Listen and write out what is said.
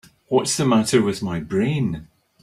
What's the matter with my brain?